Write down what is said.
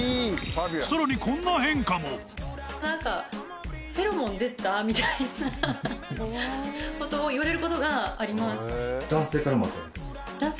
さらにこんな変化もみたいなことを言われることがあります